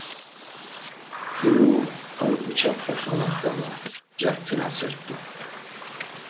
Himu, ar Uçapxe xala xvala caktinasert̆u.